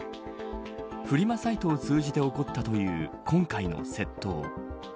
フリマサイトを通じて起こったという今回の窃盗。